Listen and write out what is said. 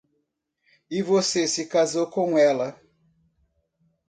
E você se casou com ela.